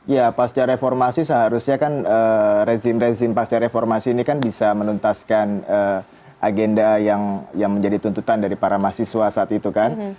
ya pasca reformasi seharusnya kan rezim rezim pasca reformasi ini kan bisa menuntaskan agenda yang menjadi tuntutan dari para mahasiswa saat itu kan